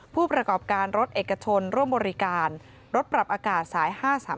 ผู้ประกอบการรถเอกชนร่วมบริการรถปรับอากาศสาย๕๓